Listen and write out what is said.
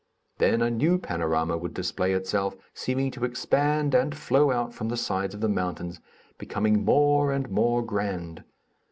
Then a new panorama would display itself, seeming to expand and flow out from the sides of the mountains, becoming more and more grand....